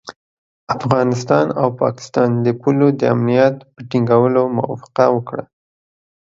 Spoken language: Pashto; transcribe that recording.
افغانستان او پاکستان د پولو د امنیت په ټینګولو موافقه وکړه.